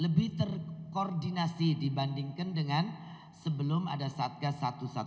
lebih terkoordinasi dibandingkan dengan sebelum ada satgas satu ratus dua belas